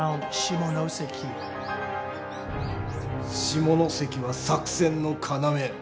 下関は作戦の要。